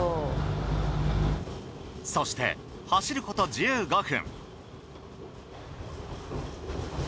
そして走ること１５分。